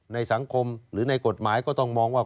ในสังคมหรือในกฎหมายก็ต้องมองว่า